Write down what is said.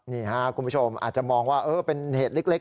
นี่ค่ะคุณผู้ชมอาจจะมองว่าเป็นเหตุเล็ก